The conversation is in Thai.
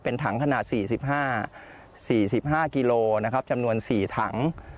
เป็นถังขนาด๔๕กิโลนะครับจำนวน๔ถัง